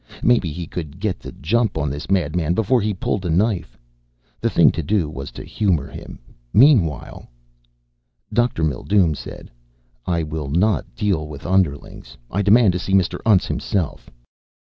Maybe he could get the jump on this madman before he pulled a knife. The thing to do was to humor him meanwhile.... Dr. Mildume said, "I will not deal with underlings. I demand to see Mr. Untz himself."